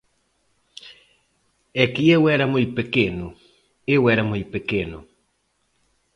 É que eu era moi pequeno, eu era moi pequeno.